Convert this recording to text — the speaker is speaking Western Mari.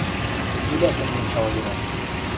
Пӱлӓ кӹлмен шалгенӓм.